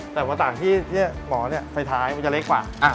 แต่ว่าต่างที่หมอไฟท้ายมันจะเล็กกว่า